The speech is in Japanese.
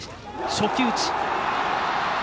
初球打ち。